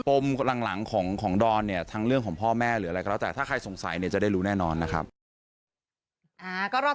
ปมหลังของดอนเนี่ยทั้งเรื่องของพ่อแม่หรืออะไรก็แล้ว